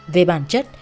về bản chất